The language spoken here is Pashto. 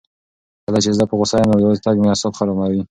کله چې زه په غوسه یم، یوازې تګ مې اعصاب اراموي.